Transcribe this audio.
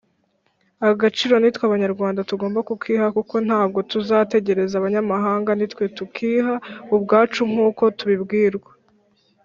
Agaciro nitwe abanyarwanda tugomba kukiha kuko ntabwo tuzategereza abanyamahanga nitwe tukiha ubwacu nkuko tubibwirwa.